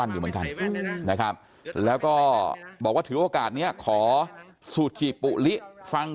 อยู่เหมือนกันนะครับแล้วก็บอกว่าถือโอกาสนี้ขอสูจิปุลิฟัง